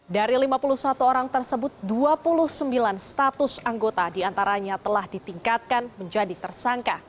dari lima puluh satu orang tersebut dua puluh sembilan status anggota diantaranya telah ditingkatkan menjadi tersangka